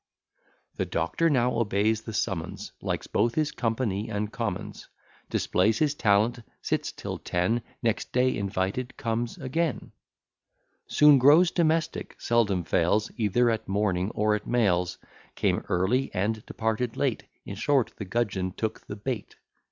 The doctor now obeys the summons, Likes both his company and commons; Displays his talent, sits till ten; Next day invited, comes again; Soon grows domestic, seldom fails, Either at morning or at meals; Came early, and departed late; In short, the gudgeon took the bait.